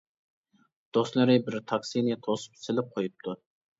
دوستلىرى بىر تاكسىنى توسۇپ، سېلىپ قويۇپتۇ.